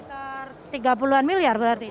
sekitar tiga puluh an miliar berarti